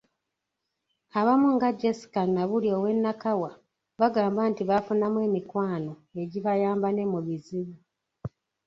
Abamu nga Jesca Nabulya ow’e Nakawa, bagamba nti baafunamu emikwano egibayamba ne mu bizibu.